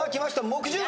木１０。